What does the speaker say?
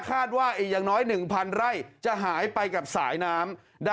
คาดว่าอีกอย่างน้อยหนึ่งพันไร่จะหายไปกับสายน้ำดัง